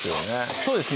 そうですね